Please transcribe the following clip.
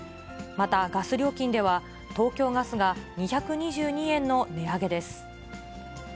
また、ガス料金では、東京ガスが２２２円の値上げです。